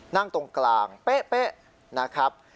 นั่งตรงกลางเป๊ะนะครับ